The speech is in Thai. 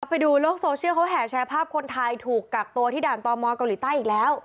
ไปดูโลกโซเชียลเขาแห่แชร์ภาพคนไทยถูกกักตัวที่ด่านตมเกาหลีใต้อีกแล้ว